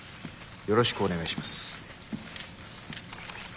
よろしくお願いします。